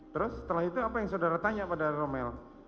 terus setelah itu apa yang saudara tanya pada romel